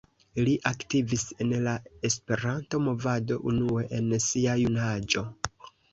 Li aktivis en la Esperanto-movado unue en sia junaĝo.